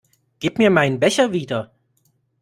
Gib mir meinen Becher wieder!